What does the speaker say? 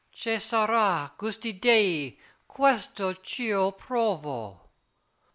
Che sarà, giusti Dei, questo ch' io provo?